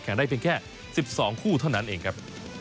แข่งได้เพียงแค่สิบสองคู่เท่านั้นเองครับ